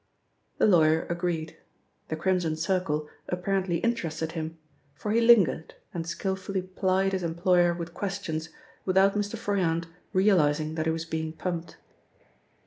The lawyer agreed. The Crimson Circle apparently interested him, for he lingered, and skillfully plied his employer with questions without Mr. Froyant realising that he was being pumped.